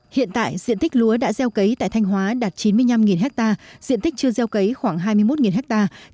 hiện tại diện tích lúa đã gieo cấy tại thanh hóa đạt chín mươi năm hectare diện tích chưa gieo cấy khoảng hai mươi một hectare